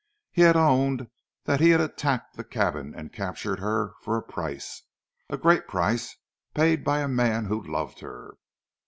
He had owned that he had attacked the cabin and captured her for a price, a great price paid by a man who loved her.